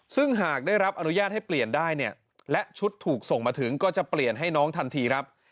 ซึ่งหากได้รับอนุญาตให้เปลี่ยนได้เนี่ยและชุดถูกส่งมาถึงก็จะเปลี่ยนให้น้องทันทีครับ